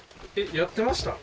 やってました？